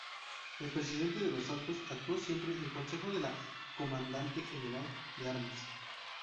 El Presidente de los Altos actuó siempre en consejo del Comandante General de Armas.